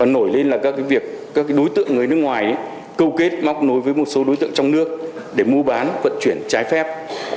nổi lên là các việc các đối tượng người nước ngoài câu kết móc nối với một số đối tượng trong nước để mua bán vận chuyển trái phép